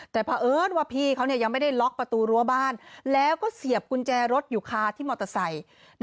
แต่เพราะเอิญว่าพี่เขายังไม่ได้ล็อกประตูรั้วบ้านแล้วก็เสียบกุญแจรถอยู่คาที่มอเตอร์ไซค์